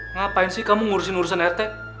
ngapain sih kamu ngurusin urusan rt